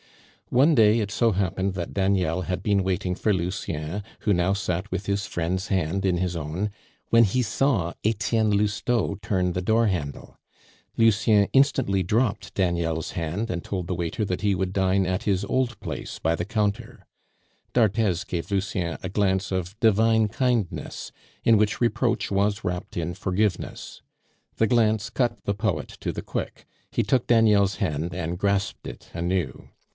One day it so happened that Daniel had been waiting for Lucien, who now sat with his friend's hand in his own, when he saw Etienne Lousteau turn the door handle. Lucien instantly dropped Daniel's hand, and told the waiter that he would dine at his old place by the counter. D'Arthez gave Lucien a glance of divine kindness, in which reproach was wrapped in forgiveness. The glance cut the poet to the quick; he took Daniel's hand and grasped it anew.